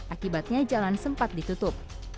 akibatnya jalan sempat ditutup